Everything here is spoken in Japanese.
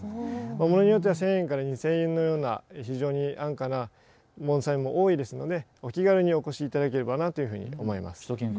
ものによっては１０００円から２０００円のような非常に安価な盆栽も多いですのでお気軽にお越しいただければなというふうに思います。